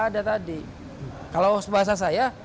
ada tadi kalau bahasa saya